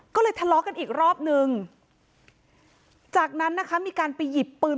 ก็เลยทะเลาะกันอีกรอบนึงจากนั้นนะคะมีการไปหยิบปืน